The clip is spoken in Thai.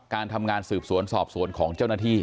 การทำงานสืบสวนสอบสวนของเจ้าหน้าที่